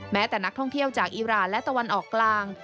แม้แต่นักท่องเที่ยวจากอิราณและตะวันออกกลาง